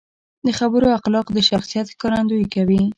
د خبرو اخلاق د شخصیت ښکارندويي کوي.